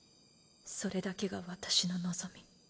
それだけが私の望み。